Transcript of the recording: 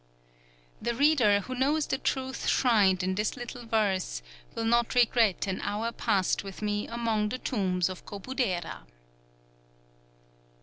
_"The reader who knows the truth shrined in this little verse will not regret an hour passed with me among the tombs of Kobudera.